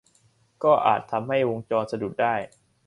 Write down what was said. ก็อาจจะทำให้วงจรสะดุดได้